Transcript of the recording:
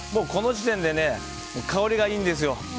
この時点で香りがいいんですよ。